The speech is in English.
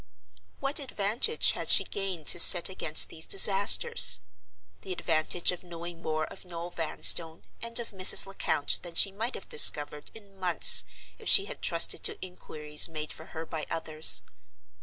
What advantage had she gained to set against these disasters? The advantage of knowing more of Noel Vanstone and of Mrs. Lecount than she might have discovered in months if she had trusted to inquiries made for her by others.